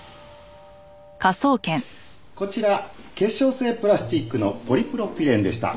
こちら結晶性プラスチックのポリプロピレンでした。